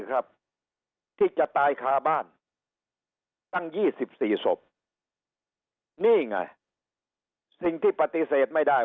ครับที่จะตายคาบ้านตั้ง๒๔ศพนี่ไงสิ่งที่ปฏิเสธไม่ได้